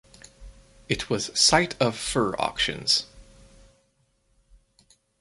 It was site of fur auctions.